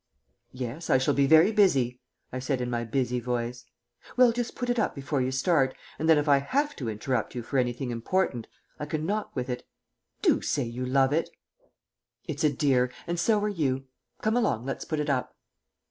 "Yes, I shall be very busy," I said in my busy voice. "Well, just put it up before you start, and then if I have to interrupt you for anything important, I can knock with it. Do say you love it." "It's a dear, and so are you. Come along, let's put it up."